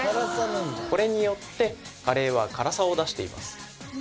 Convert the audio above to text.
これによってカレーは辛さを出しています